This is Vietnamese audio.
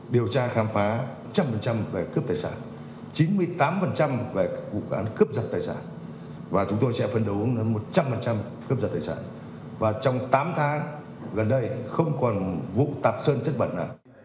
điều tra khám phá một trăm linh về cướp tài sản